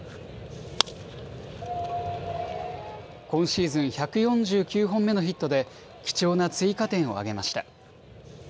今シーズン１４９本目のヒットで貴重な追加点を挙げました。